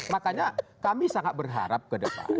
makanya kami sangat berharap ke depan